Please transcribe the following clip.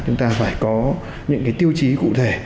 chúng ta phải có những cái tiêu chí cụ thể